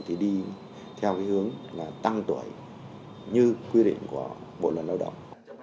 theo hướng tăng tuổi như quy định của bộ luật lao động